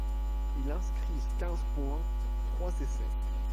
Il inscrit quinze points, trois essais.